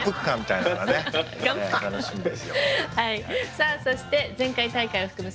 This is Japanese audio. さあそして前回大会を含む